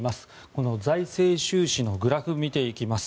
この財政収支のグラフを見ていきます。